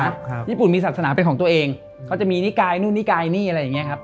ครับญี่ปุ่นมีศาสนาเป็นของตัวเองเขาจะมีนิกายนู่นนิกายนี่อะไรอย่างเงี้ครับ